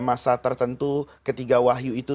masa tertentu ketiga wahyu itu